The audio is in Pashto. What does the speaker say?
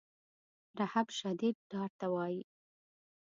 رهب شدید ډار ته وایي.